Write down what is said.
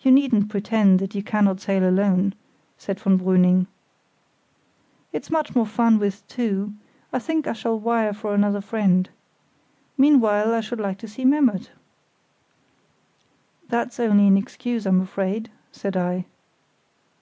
"You needn't pretend that you cannot sail alone," said von Brüning. "It's much more fun with two; I think I shall wire for another friend. Meanwhile, I should like to see Memmert." "That's only an excuse, I'm afraid," said I.